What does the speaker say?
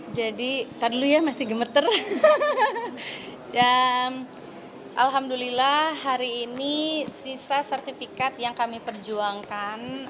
jadi tadi lu ya masih gemeter dan alhamdulillah hari ini sisa sertifikat yang kami perjuangkan